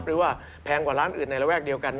หรือว่าแพงกว่าร้านอื่นในระแวกเดียวกัน